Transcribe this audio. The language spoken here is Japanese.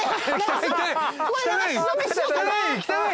汚い！